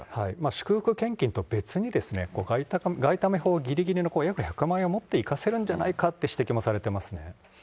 祝福献金と別に外為法ぎりぎりの約１００万円を持っていかせるんじゃないかっていう指摘もされてますね。